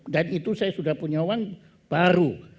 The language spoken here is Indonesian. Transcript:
dan itu saya sudah punya uang baru